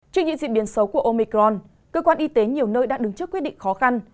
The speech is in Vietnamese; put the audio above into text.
trước những diễn biến xấu của omicron cơ quan y tế nhiều nơi đã đứng trước quyết định khó khăn